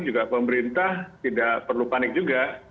juga pemerintah tidak perlu panik juga